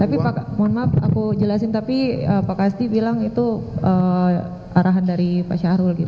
tapi mohon maaf aku jelasin tapi pak kasti bilang itu arahan dari pak syahrul gitu